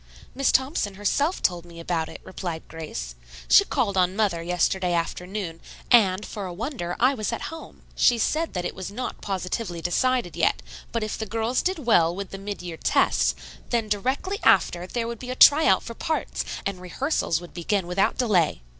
"Miss Thompson herself told me about it," replied Grace. "She called on mother yesterday afternoon, and, for a wonder, I was at home. She said that it was not positively decided yet, but if the girls did well with the mid year tests, then directly after there would be a try out for parts, and rehearsals would begin without delay."